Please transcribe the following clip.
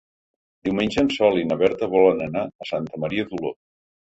Diumenge en Sol i na Berta volen anar a Santa Maria d'Oló.